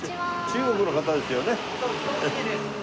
中国の方ですよね？